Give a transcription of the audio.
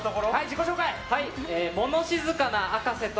物静かな赤瀬と。